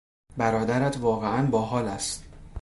برادرت واقعا با حال است!